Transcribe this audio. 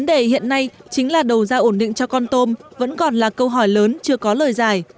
đây chính là đầu ra ổn định cho con tôm vẫn còn là câu hỏi lớn chưa có lời giải